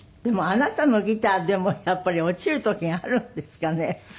でもあなたのギターでもやっぱり落ちる時があるんですかね？